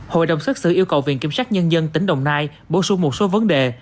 hội đồng xét xử yêu cầu viện kiểm sát nhân dân tỉnh đồng nai bổ sung một số vấn đề